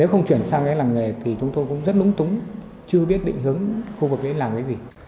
nếu không chuyển sang làng nghề thì chúng tôi cũng rất lúng túng chưa biết định hướng khu vực đấy làng nghề